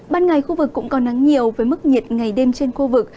ban ngày khu vực cũng có nắng nhiều với mức nhiệt ngày đêm trên khu vực